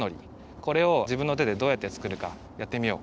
これをじぶんのてでどうやってつくるかやってみよう。